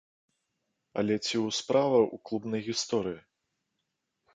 Але ці ў справа ў клубнай гісторыі?